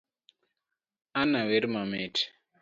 Anna wer mamit.